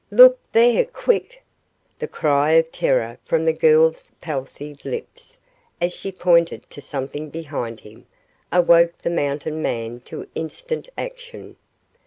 "Look there! Quick!" The cry of terror from the girl's palsied lips, as she pointed to something behind him, awoke the mountain man to instant action.